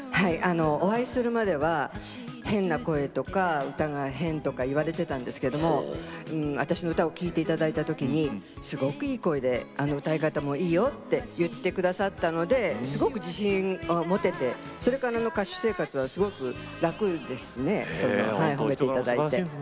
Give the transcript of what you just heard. お会いする前は変な声とか歌が変とか言われていたんですけれども私の歌を聴いていただいた時にすごくいい声で歌い方もいいよと言ってくださったのですごく自信を持ててそれからの歌手生活はすごく楽ですね言っていただいて。